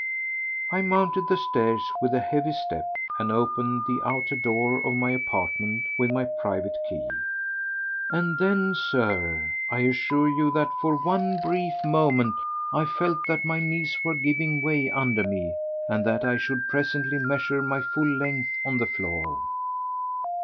I mounted the stairs with a heavy step and opened the outer door of my apartment with my private key; and then, Sir, I assure you that for one brief moment I felt that my knees were giving way under me and that I should presently measure my full length on the floor.